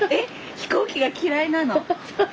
飛行機が嫌いなの？